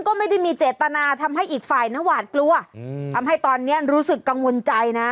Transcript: ก็ไม่ได้มีเจตนาทำให้อีกฝ่ายนะหวาดกลัวอืมทำให้ตอนนี้รู้สึกกังวลใจนะ